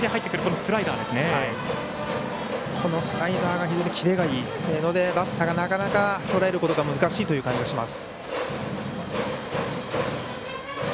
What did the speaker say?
スライダーのキレがいいのでバッターがなかなかとらえることが難しいという感じがします。